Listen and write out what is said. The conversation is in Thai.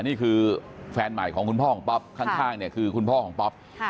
นี่คือแฟนใหม่ของคุณพ่อของป๊อปข้างเนี่ยคือคุณพ่อของป๊อป